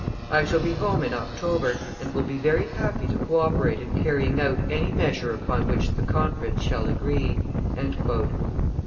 I shall be home in October, and will be very happy to co operate in carrying out any measure upon which the conference shall agree.